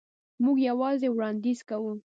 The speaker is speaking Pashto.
موږ یوازې وړاندیز کوو.